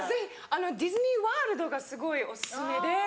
ディズニー・ワールドがすごいお薦めで。